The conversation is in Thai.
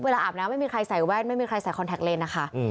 อาบน้ำไม่มีใครใส่แว่นไม่มีใครใส่คอนแท็กเลนนะคะ